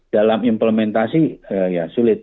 dalam implementasi ya sulit